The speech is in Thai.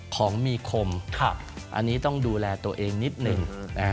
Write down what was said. ของมีคมอันนี้ต้องดูแลตัวเองนิดหนึ่ง